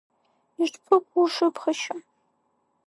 Ишԥыкәу ушыԥхашьо…